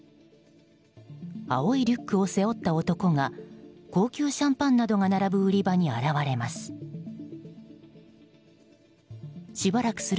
青いリュックを背負った男が高級シャンパンなどが並ぶ売り場に現れます。